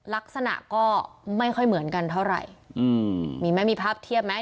ลักษณะก็ไม่ค่อยเหมือนกันเท่าไหร่อืมมีไหมมีภาพเทียบไหม